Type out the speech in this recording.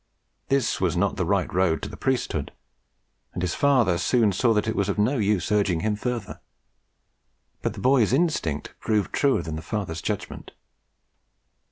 This was not the right road to the priesthood; and his father soon saw that it was of no use urging him further: but the boy's instinct proved truer than the father's judgment.